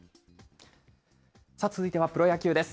続いてはプロ野球です。